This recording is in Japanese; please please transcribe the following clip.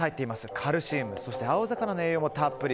カルシウムそして青魚の栄養もたっぷり。